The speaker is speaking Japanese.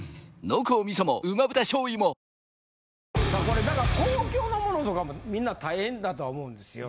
これだから公共のモノとかもみんな大変だとは思うんですよ。